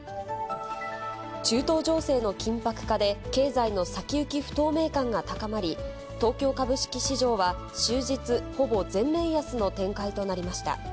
中東情勢の緊迫化で、経済の先行き不透明感が高まり、東京株式市場は終日、ほぼ全面安の展開となりました。